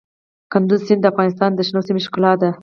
کندز سیند د افغانستان د شنو سیمو ښکلا ده.